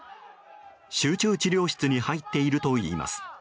集中治療室に入っているといいます。